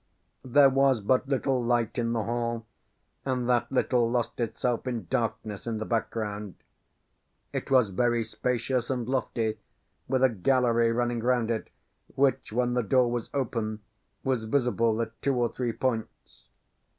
There was but little light in the hall, and that little lost itself in darkness in the background. It was very spacious and lofty, with a gallery running round it, which, when the door was open, was visible at two or three points.